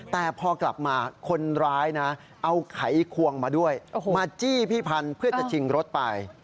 แต่พอกลับมาคนร้ายนะเอาไขควงมาด้วยมาจี้พี่พันธุ์เพื่อจะชิงรถไป